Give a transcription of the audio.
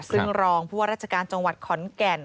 ซึ่งรองผู้ว่าราชการจังหวัดขอนแก่น